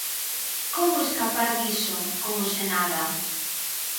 Como escapar diso como se nada?